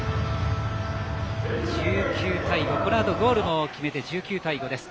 このあとゴールも決めて１９対５です。